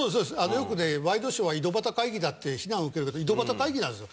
よくねワイドショーは井戸端会議だって非難を受けるけど井戸端会議なんですよ。